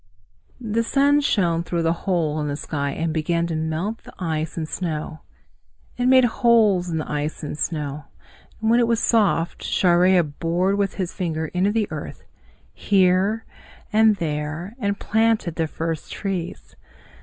The sun shone through the hole in the sky and began to melt the ice and snow. It made holes in the ice and snow. When it was soft, Chareya bored with his finger into the earth, here and there, and planted the first trees.